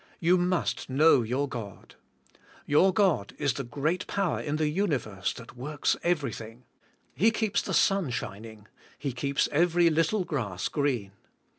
You must know your God. Your God is the great power in the universe that works everything. He keeps the sun shining. He keeps every little grass green.